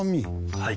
はい。